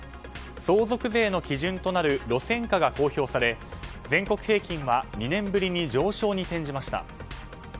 相続税の基準となる路線価が公表され全国平均は２年ぶりに上昇に転じました。